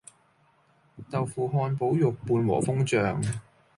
豆腐漢堡肉伴和風醬